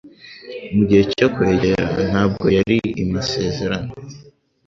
Mugihe cyo kwegera: 'Ntabwo yari i-masezerano